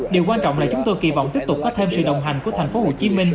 điều quan trọng là chúng tôi kỳ vọng tiếp tục có thêm sự đồng hành của tp hcm